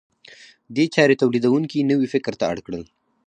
دې چارې تولیدونکي نوي فکر ته اړ کړل.